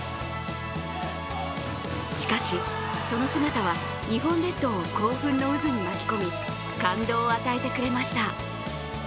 しかし、その姿は日本列島を興奮の渦に巻き込み感動を与えてくれました。